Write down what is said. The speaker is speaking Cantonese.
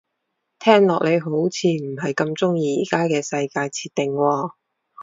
聽落你好似唔係咁鍾意而家嘅世界設定喎